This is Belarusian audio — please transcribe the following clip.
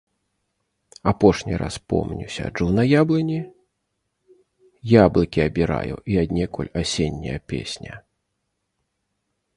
Апошні раз помню сяджу на яблыні, яблыкі абіраю і аднекуль асенняя песня.